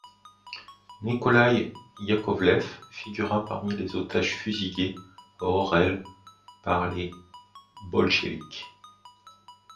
Nikolaï Yakovlev figura parmi les otages fusillés à Orel par les Bolcheviks.